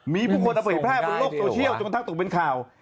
มีผู้คนอเวทแพร่บนโลกโตเชี่ยวจนทักตกเป็นข่าว